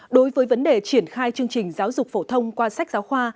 đối với vấn đề triển khai chương trình giáo dục phổ thông qua sách giáo khoa